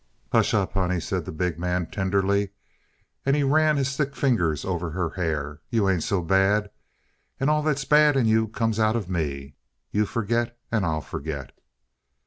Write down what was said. "Hush up, honey," said the big man tenderly, and he ran his thick fingers over her hair. "You ain't so bad. And all that's bad in you comes out of me. You forget and I'll forget."